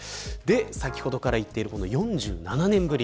先ほどから言っている４７年ぶり。